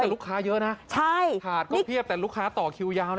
แต่ลูกค้าเยอะนะถาดก็เพียบแต่ลูกค้าต่อคิวยาวนะ